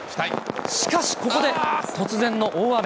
しかし、ここで突然の大雨。